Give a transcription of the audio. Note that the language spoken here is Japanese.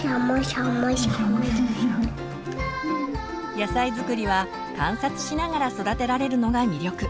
野菜づくりは観察しながら育てられるのが魅力。